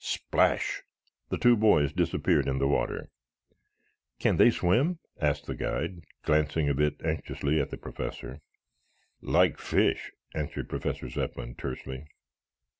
Splash! The two boys disappeared in the water. "Can they swim?" asked the guide, glancing a bit anxiously at the Professor. "Like fish," answered Professor Zepplin tersely.